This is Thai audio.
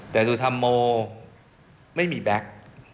แต่สุธรรมโมไม่มีแบ็ค